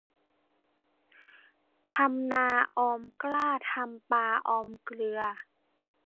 ทำนาออมกล้า ทำปลาออมเกลือ